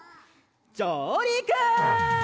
じょうりく！